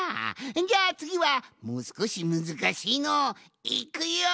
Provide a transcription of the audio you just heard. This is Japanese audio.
じゃあつぎはもうすこしむずかしいのをいくよん！